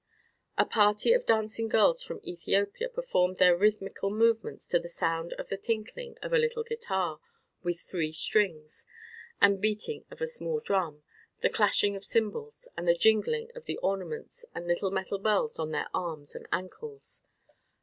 A party of dancing girls from Ethiopia performed their rhythmical movements to the sound of the tinkling of a little guitar with three strings, the beating of a small drum, the clashing of cymbals, and the jingling of the ornaments and little metal bells on their arms and ankles.